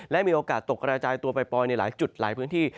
และมีโอกาสตกกระจายตัวปล่อยในหลายจุดหลายพื้นที่